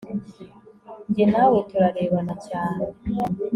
jye nawe turarebana cyane